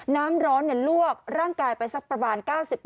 น้ำร้อนลวกร่างกายไปสักประมาณ๙๐